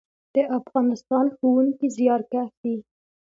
د افغانستان ښوونکي زیارکښ دي